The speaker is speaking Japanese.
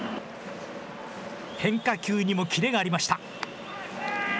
変化球にも切れがありました。